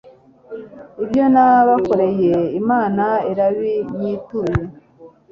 ibyo nabakoreye, imana irabinyituye